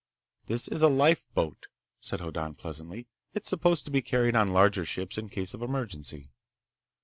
"This is a lifeboat," said Hoddan pleasantly. "It's supposed to be carried on larger ships in case of emergency."